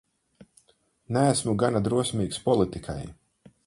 Neesmu gana drosmīgs politikai.